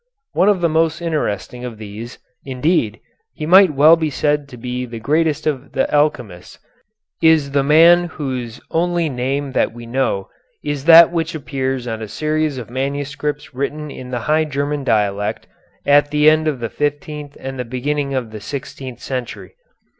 One of the most interesting of these indeed, he might well be said to be the greatest of the alchemists is the man whose only name that we know is that which appears on a series of manuscripts written in the High German dialect of the end of the fifteenth and the beginning of the sixteenth century.